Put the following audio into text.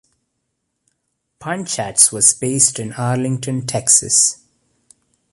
Punchatz was based in Arlington, Texas.